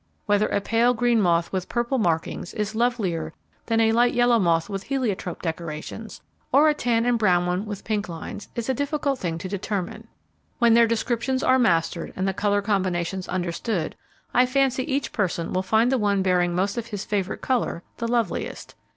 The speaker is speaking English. Whether a pale green moth with purple markings is lovelier than a light yellow moth with heliotrope decorations; or a tan and brown one with pink lines, is a difficult thing to determine. When their descriptions are mastered, and the colour combinations understood, I fancy each person will find the one bearing most of his favourite colour the loveliest.